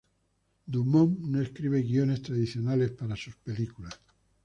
Dumont no escribe guiones tradicionales para sus películas.